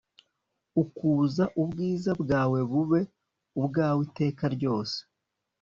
Ukuza ubwiza bwawe bube ubwawe iteka ryose